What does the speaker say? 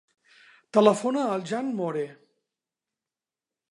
Telefona al Jan Moore.